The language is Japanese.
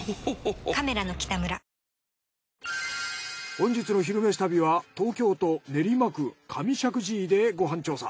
本日の「昼めし旅」は東京都練馬区上石神井でご飯調査。